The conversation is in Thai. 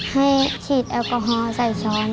ให้ฉีดแอลกอฮอล์ใส่ซ้อน